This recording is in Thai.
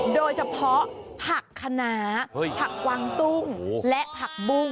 โดยเฉพาะผักคณะผักกวางตุ้งและผักบุ้ง